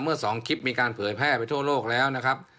เมื่อ๒คลิปมีการเผยแพร่ไปทั่วโลกแล้วนะครับ